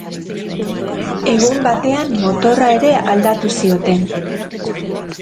Egun batean motorra ere aldatu zioten.